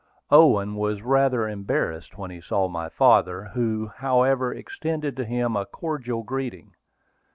Owen was rather embarrassed when he saw my father, who however extended to him a cordial greeting.